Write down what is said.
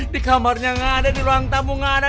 di kamarnya gak ada di ruang tamu gak ada